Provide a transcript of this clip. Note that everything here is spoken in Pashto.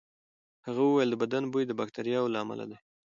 هغه وویل د بدن بوی د باکتریاوو له امله دی.